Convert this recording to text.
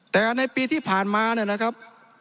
แต่ในปีที่ผ่านมาเนี่ยนะครับ